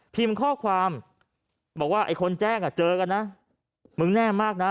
ข้อความบอกว่าไอ้คนแจ้งอ่ะเจอกันนะมึงแน่มากนะ